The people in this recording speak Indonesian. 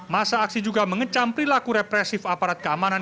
masa aksi juga mengecam perilaku represif aparat keamanan